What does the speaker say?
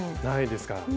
ないですか。